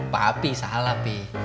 papi salah fi